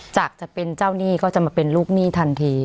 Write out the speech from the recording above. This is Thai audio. จากจะเป็นเจ้าหนี้ก็จะมาเป็นลูกหนี้ทันที